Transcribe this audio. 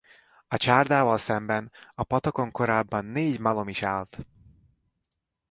A csárdával szemben a patakon korábban négy malom is állt.